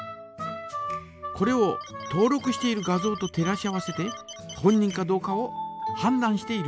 これを登録している画像と照らし合わせて本人かどうかをはんだんしているんです。